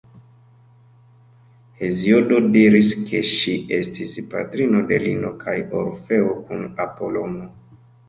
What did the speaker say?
Heziodo diris, ke ŝi estis patrino de Lino kaj Orfeo kun Apolono.